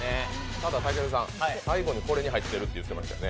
ただ、たけるさん最後にこれに入ってると言ってましたよね。